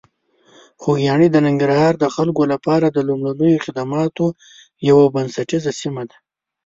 خوږیاڼي د ننګرهار د خلکو لپاره د لومړنیو خدماتو یوه بنسټیزه سیمه ده.